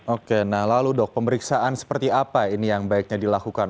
oke nah lalu dok pemeriksaan seperti apa ini yang baiknya dilakukan